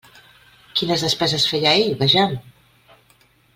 Quines despeses feia ell, vejam?